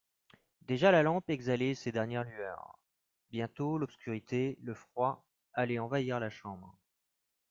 Déjà la lampe exhalait ses dernières lueurs ; bientôt l'obscurité, le froid, allaient envahir la chambre.